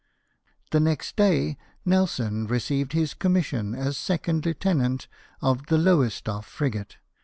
The next day Nelson received his com mission as second lieutenant of the Loivestoffe frigate.